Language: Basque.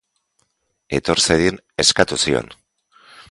Etor zedin eskatu zion.